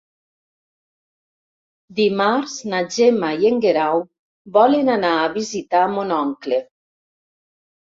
Dimarts na Gemma i en Guerau volen anar a visitar mon oncle.